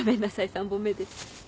３本目です。